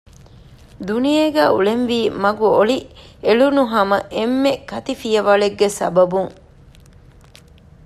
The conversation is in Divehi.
ދުނިޔޭގައި އުޅެންވީ މަގު އޮޅި އެޅުނު ހަމަ އެންމެ ކަތިފިޔަވަޅެއްގެ ސަބަބުން